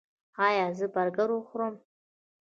ایا زه برګر وخورم؟